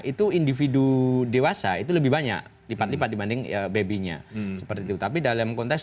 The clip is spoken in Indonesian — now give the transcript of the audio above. itu individu dewasa itu lebih banyak lipat lipat dibanding baby nya seperti itu tapi dalam konteks